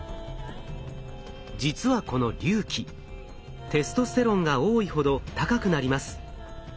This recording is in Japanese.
実はこの隆起テストステロンが多いほど高くなります。